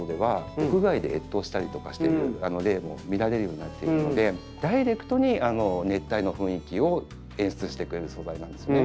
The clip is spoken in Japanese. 屋外で越冬したりとかしてる例も見られるようになっているのでダイレクトに熱帯の雰囲気を演出してくれる素材なんですよね。